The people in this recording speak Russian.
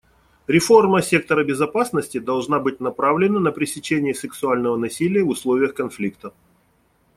Реформа сектора безопасности должна быть направлена на пресечение сексуального насилия в условиях конфликта.